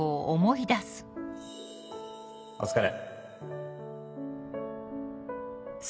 お疲れ